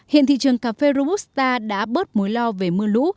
hiện thị trường cà phê robusta đã bớt mối lo về mưa lũ